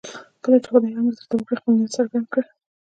کله چې خدای امر درته وکړي خپل نیت څرګند کړئ.